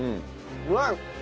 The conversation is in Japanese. うまい！